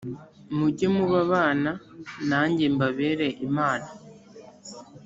mujye muba abana nanjye mbabere imana